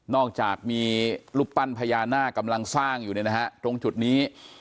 อกจากมีรูปปั้นพญานาคกำลังสร้างอยู่เนี่ยนะฮะตรงจุดนี้